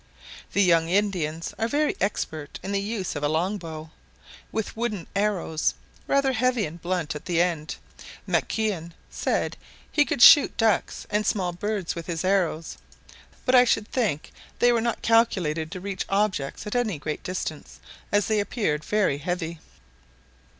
The young Indians are very expert in the use of a long bow, with wooden arrows, rather heavy and blunt at the end. Maquin said he could shoot ducks and small birds with his arrows; but I should think they were not calculated to reach objects at any great distance, as they appeared very heavy.